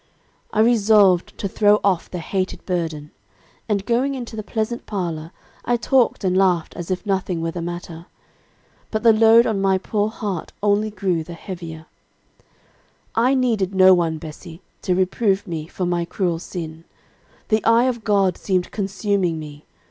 I resolved to throw off the hated burden, and, going into the pleasant parlor, I talked and laughed as if nothing were the matter. But the load on my poor heart only grew the heavier. "I needed no one, Bessie, to reprove me for my cruel sin. The eye of God seemed consuming me.